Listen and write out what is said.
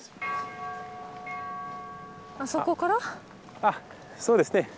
あそうですね。